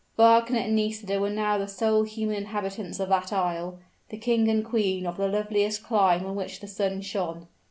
Wagner and Nisida were now the sole human inhabitants of that isle the king and queen of the loveliest clime on which the sun shone.